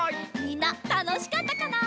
みんなたのしかったかな？